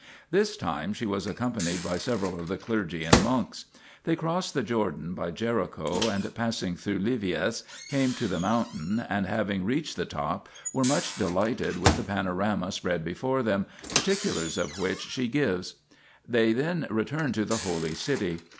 This time she was accompanied by several of the clergy and monks. They crossed the Jordan by Jericho and, passing through Livias, came to the mountain, and having 1 See note on p. 17. xxii INTRODUCTION reached the top, were much delighted with the pano rama spread before them, particulars of which she gives. They then returned to the Holy City.